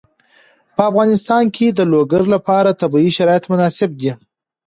په افغانستان کې د لوگر لپاره طبیعي شرایط مناسب دي.